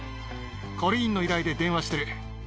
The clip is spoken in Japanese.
コリーンの依頼で電話してる。